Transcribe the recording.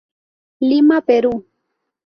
Lima, Perú.